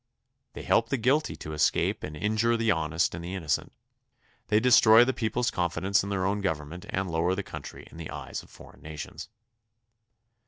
They help the guilty to escape and injure the honest and the innocent. They destroy the people's confi dence in their own government and lower the country in the eyes of foreign nations.